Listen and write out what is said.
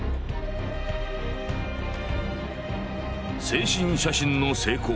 「精神写真の成功。